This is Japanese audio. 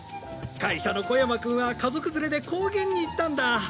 会社の小山くんは家族連れで高原に行ったんだ。